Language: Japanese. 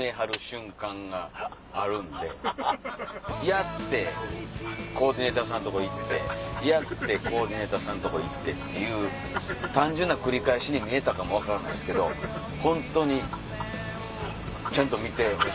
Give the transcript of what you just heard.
やってコーディネーターさんとこ行ってやってコーディネーターさんとこ行ってっていう単純な繰り返しに見えたかも分からないですけどホントにちゃんと見てほしい。